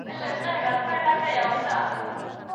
پرمختيايي هېوادونه د پانګي د کمښت ستونزه کمول غواړي.